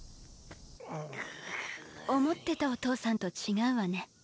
ぐぅ。思ってたお父さんと違うわね。